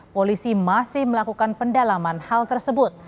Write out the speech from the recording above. polisi masih melakukan pendalaman hal tersebut